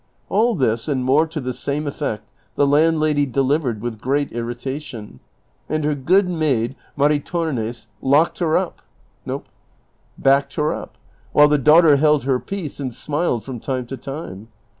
All this and more to the same effect the landlady delivered with great irritation, and her good maid Maritornes backed her up, while the daughter held her peace and smiled from time to time.